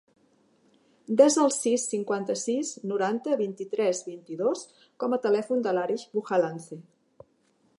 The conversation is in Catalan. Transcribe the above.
Desa el sis, cinquanta-sis, noranta, vint-i-tres, vint-i-dos com a telèfon de l'Arij Bujalance.